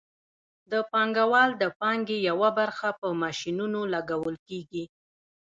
د پانګوال د پانګې یوه برخه په ماشینونو لګول کېږي